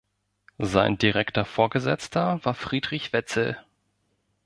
Sein direkter Vorgesetzter war Friedrich Wetzel.